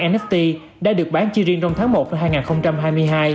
một trăm bốn mươi bốn nft đã được bán chi riêng trong tháng một năm hai nghìn hai mươi hai